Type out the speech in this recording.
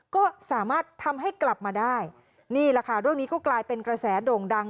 ก็สามารถทำให้กลับมาได้นี่แหละค่ะเรื่องนี้ก็กลายเป็นกระแสโด่งดัง